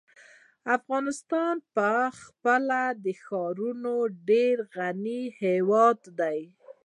افغانستان په خپلو ښارونو ډېر غني هېواد دی.